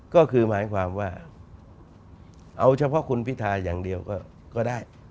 ก็คือหมายความว่าเอาเฉพาะคุณพิทาอย่างเดียวก็ได้